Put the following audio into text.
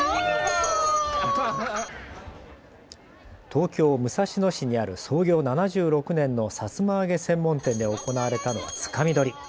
東京武蔵野市にある創業７６年のさつま揚げ専門店で行われたのはつかみ取り。